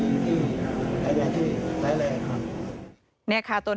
เหล่าอินที่ไร้แรง